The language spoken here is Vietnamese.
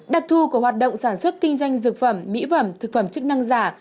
đặc thù của hoạt động sản xuất kinh doanh dược phẩm mỹ phẩm thực phẩm chức năng giả